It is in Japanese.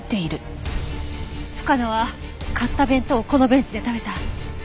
深野は買った弁当をこのベンチで食べた。